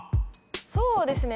そうですね。